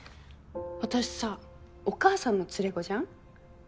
私さお母さんの連れ子じゃん？